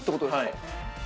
はい。